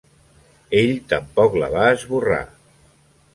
Ell tampoc la va esborrar.